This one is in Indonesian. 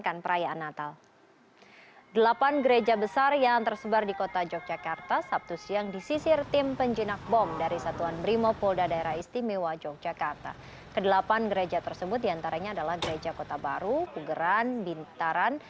kedemopan gereja tersebut diantaranya adalah gereja kota baru pugeran bintaran